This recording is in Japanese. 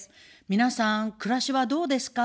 皆さん、暮らしはどうですか。